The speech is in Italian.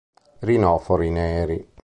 Rinofori neri.